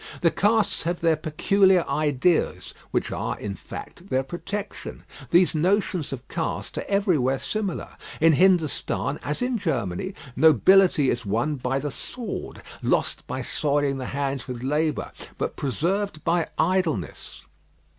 The castes have their peculiar ideas, which are, in fact, their protection. These notions of caste are everywhere similar; in Hindostan, as in Germany, nobility is won by the sword; lost by soiling the hands with labour: but preserved by idleness.